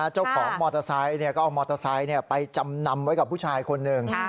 เจ้าของมอเตอร์ไซค์ก็เอามอเตอร์ไซค์ไปจำนำไว้กับผู้ชายคนหนึ่ง